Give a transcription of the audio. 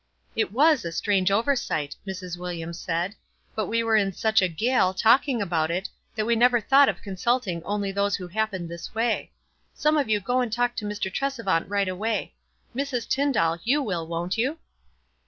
"It icas a strange oversight," Mrs. Williams said. "But we were in such a gale, talking about it, that we never thought of consulting only those who happened this way. Some of you go and talk to Mr. Tresevant right away. Mrs. Tyndall, you will, won't you?"